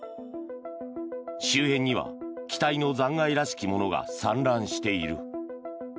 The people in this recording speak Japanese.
周辺には機体の残骸らしきものが散乱している。